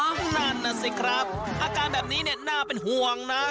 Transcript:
นั่นน่ะสิครับอาการแบบนี้เนี่ยน่าเป็นห่วงนะ